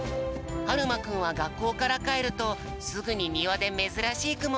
はるまくんはがっこうからかえるとすぐににわでめずらしいくもをさがすんだ。